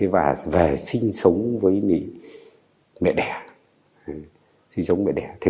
và về sinh sống với mẹ đẻ